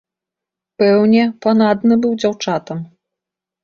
Пэўне, панадны быў дзяўчатам.